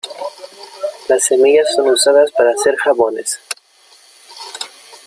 Las semillas son usadas para hacer jabones.